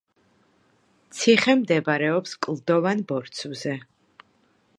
ციხე მდებარეობს კლდოვან ბორცვზე.